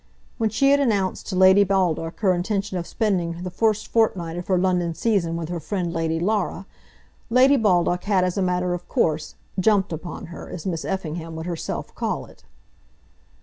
When she had announced to Lady Baldock her intention of spending the first fortnight of her London season with her friend Lady Laura, Lady Baldock had as a matter of course "jumped upon her," as Miss Effingham would herself call it.